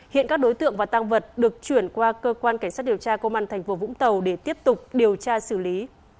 hiện các đối tượng và tăng vật được chuyển qua cơ quan cảnh sát điều tra công an tp vũng tàu để tiếp tục điều tra xử lý